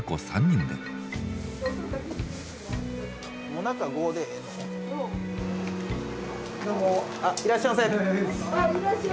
いらっしゃいませ。